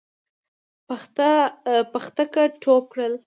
پختکه ټوپ کړل.